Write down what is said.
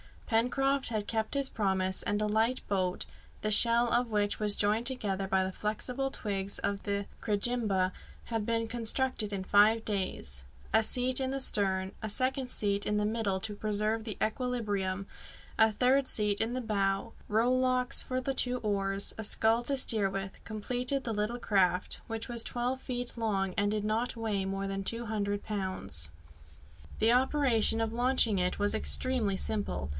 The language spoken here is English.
Pencroft had kept his promise, and a light boat, the shell of which was joined together by the flexible twigs of the crejimba, had been constructed in five days. A seat in the stern, a second seat in the middle to preserve the equilibrium, a third seat in the bows, rowlocks for the two oars, a scull to steer with, completed the little craft, which was twelve feet long, and did not weigh more than 200 pounds. The operation of launching it was extremely simple.